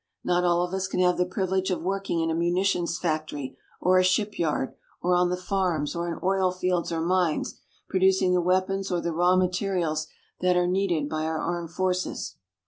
Not all of us can have the privilege of working in a munitions factory or a shipyard, or on the farms or in oil fields or mines, producing the weapons or the raw materials that are needed by our armed forces.